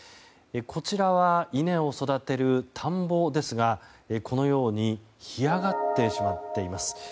こちらは稲を育てる田んぼですが、このように干上がってしまっています。